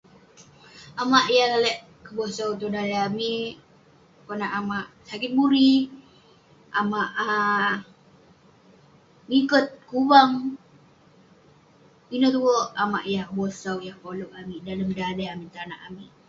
Amak yah lalek kebosau tong daleh amik, konak amak sakit buri, amak ah miket, kuvang. Ineh tue amak yah kebosau, yah koleg amik dalem daleh amik, tanak amik.